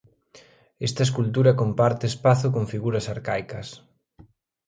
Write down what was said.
Esta escultura comparte espazo con figuras arcaicas.